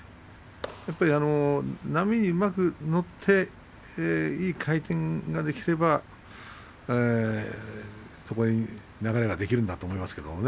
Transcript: やっぱり波にうまく乗っていい回転ができれば流れができるんだと思いますよ。